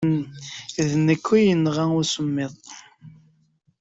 D nekk ay yenɣa usemmiḍ.